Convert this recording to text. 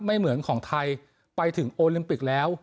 ไม่เหมือนของไทยไปถึงโอลิมปิกแล้ว